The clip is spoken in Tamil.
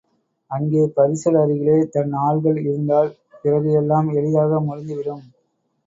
அங்கே பரிசல் அருகிலே தன் ஆள்கள் இருந்தால், பிறகு எல்லாம் எளிதாக முடிந்து விடும்.